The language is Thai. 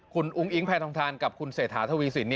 คุณอุ้งอิงแพทย์ทองทานกับคุณเสถาธวีสิน